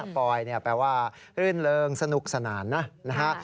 ปลอยแปลว่ารื่นเริงสนุกสนานนะ